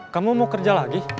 kamu mau kerja lagi